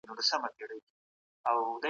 زه د چا په کار کي لاس نه وهم.